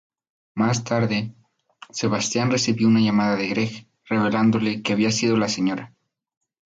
Más tarde, Sebastian recibió una llamada de Greg revelándole que había sido la Sra.